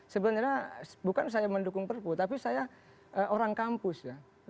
sebenarnya bukan saya mendukung perpu tapi saya orang kampus ya